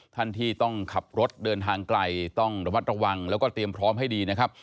ท่านที่ต้องขับรถเดินทางไกลต้องระมัดระวังแล้วก็เตรียมพร้อมให้ดีนะครับ